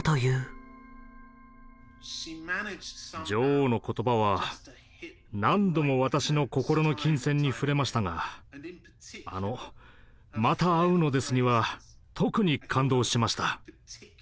女王の言葉は何度も私の心の琴線に触れましたがあの「また会うのです」には特に感動しました。